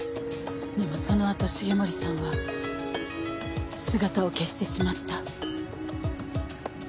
でもそのあと重森さんは姿を消してしまった。